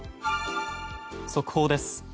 速報です。